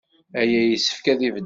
Aya yessefk ad ibeddel.